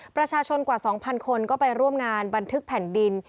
ประชาชนกว่า๒๐๐คนก็ไปร่วมงานบันทึกแผ่นดิน